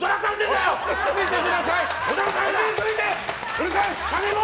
うるさい！